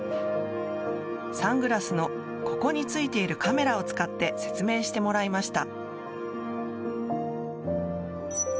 サングラスのここについているカメラを使って説明してもらいました。